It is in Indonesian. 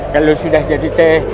kalau sudah jadi teh